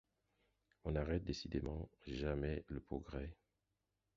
On n'arrête décidément jamais le progrès !